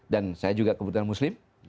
dan saya juga kebutuhan muslim